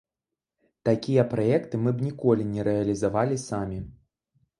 Такія праекты мы б ніколі не рэалізавалі самі.